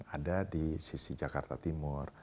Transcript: ada di sisi jakarta timur